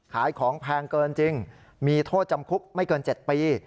ขายของแพงเกินจริงมีโทษจำคุกไม่เกิน๗ปี